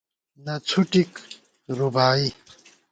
نہ څھُوٹِک (رُباعی)